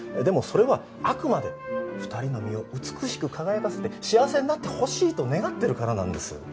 でもそれはあくまで２人の身を美しく輝かせて幸せになってほしいと願ってるからなんです。